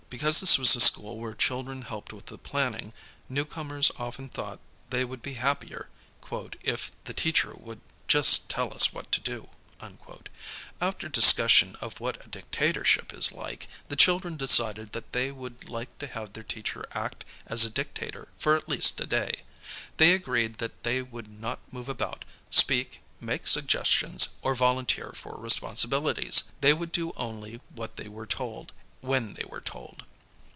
Because this was a school where children helped with the planning, newcomers often thought they would be happier "if the teacher would just tell us what to do." After discussion of what a dictatorship is like, the children decided that they would like to have their teacher act as a dictator for at least a day. They agreed that they would not move about, speak, make suggestions, or volunteer for responsibilities. They would do only what they were told, when they were told.